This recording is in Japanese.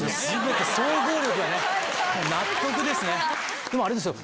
総合力がね納得ですね。